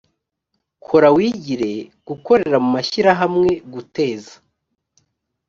kora wigire gukorera mu mashyirahamwe guteza